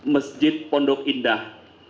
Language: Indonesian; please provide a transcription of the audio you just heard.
masjid pondok indah